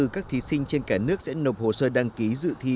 các thí sinh trên cả nước sẽ nộp hồ sơ đăng ký dự thi